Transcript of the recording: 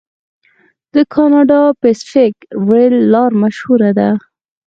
د کاناډا پیسفیک ریل لار مشهوره ده.